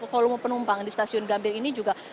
volume penumpang di stasiun gambir ini juga